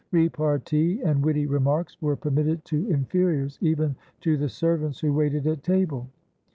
Repartee and witty remarks were permitted to inferiors, even to the servants who waited at table.